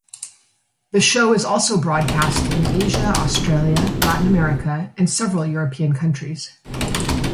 The show is also broadcast in Asia, Australia, Latin America, and several European countries.